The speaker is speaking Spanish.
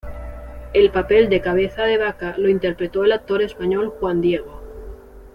El papel de Cabeza de Vaca lo interpretó el actor español Juan Diego.